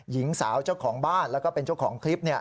หญิงสาวเจ้าของบ้านแล้วก็เป็นเจ้าของคลิป